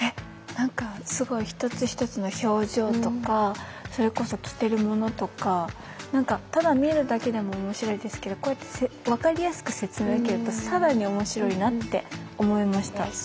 何かすごい一つ一つの表情とかそれこそ着てるものとか何かただ見るだけでも面白いですけどこうやって分かりやすく説明を受けると更に面白いなって思いました。